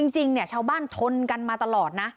จริงชาวบ้านทนกันมาตลอดนะ